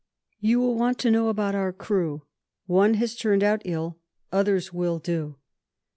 You will want to know about our crew. One has turned out ill, others will do.